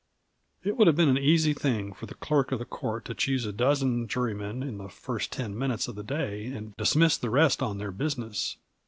It would have been an easy thing for the Clerk of the Court to choose a dozen jurymen in the first ten minutes of the day, and to dismiss the rest on their business.